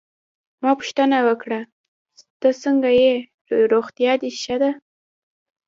ما پوښتنه وکړه: ته څنګه ېې، روغتیا دي ښه ده؟